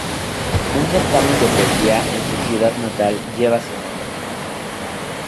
Un certamen de poesía en su ciudad natal lleva su nombre.